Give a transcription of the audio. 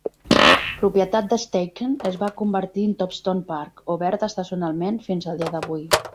Propietat de Steichen es va convertir en Topstone Park, obert estacionalment fins al dia d'avui.